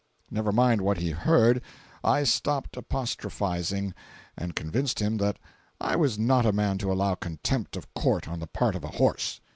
Never mind what he heard, I stopped apostrophising and convinced him that I was not a man to allow contempt of Court on the part of a horse.